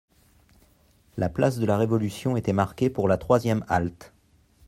La place de la Révolution était marquée pour la troisième halte.